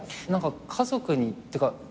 家族にっていうか